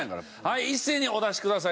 はい一斉にお出しください。